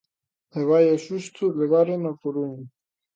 E vaia susto levaron na Coruña.